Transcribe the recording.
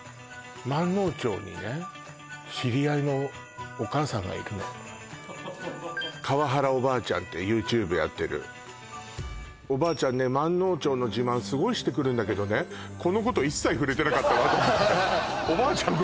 まんのう町にね知り合いのお母さんがいるの川原おばあちゃんってＹｏｕＴｕｂｅやってるおばあちゃんねまんのう町の自慢すごいしてくるんだけどねこのこと一切触れてなかったわと思っておばあちゃん